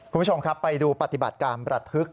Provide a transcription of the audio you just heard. คุณผู้ชมครับไปดูปฏิบัติการประทึก